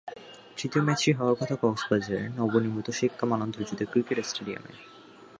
তৃতীয় ম্যাচটি হওয়ার কথা কক্সবাজারে নবনির্মিত শেখ কামাল আন্তর্জাতিক ক্রিকেট স্টেডিয়ামে।